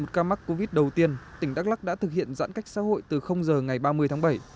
một ca mắc covid đầu tiên tỉnh đắk lắc đã thực hiện giãn cách xã hội từ giờ ngày ba mươi tháng bảy